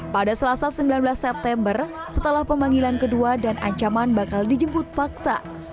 pada selasa sembilan belas september setelah pemanggilan kedua dan ancaman bakal dijemput paksa